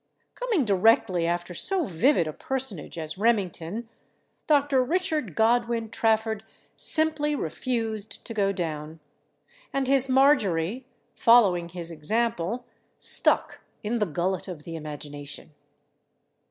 Coming directly after so vivid a personage as Remington, Dr. Richard Godwin Trafford simply refused to go down. And his Marjorie, following his example, stuck in the gullet of the imagination.